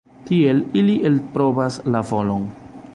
Tiel ili elprovas la volon.